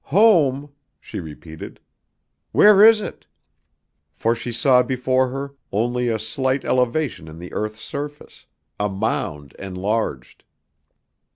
"Home," she repeated. "Where is it?" For she saw before her only a slight elevation in the earth's surface, a mound enlarged.